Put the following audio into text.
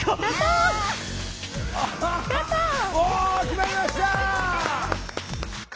決まりました！